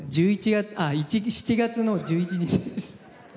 ７月の１１日です。